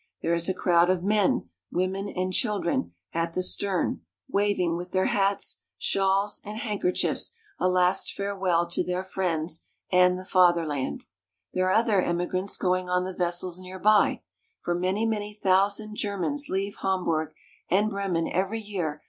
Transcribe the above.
There is a crowd of men, women, and children at the stern, wav ing with their hats, shawls, and hand kerchiefs a last fare well to their friends and the Fatherland. There are other emi grants going on the vessels near by, for many, many thou sand Germans leave Hamburg and Bremen every year "— this quaint old city of Bremen."